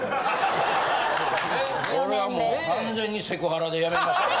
これはもう完全にセクハラで辞めましたね。